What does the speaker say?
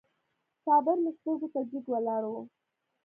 صابر مې سترګو ته جګ ولاړ و.